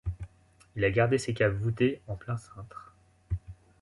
Il a gardé ses caves voûtées en plein cintre.